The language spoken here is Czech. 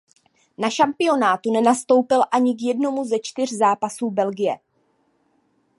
Na šampionátu nenastoupil ani k jednomu ze čtyř zápasů Belgie.